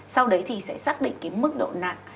sau đấy thì sẽ xác định cái mức độ nặng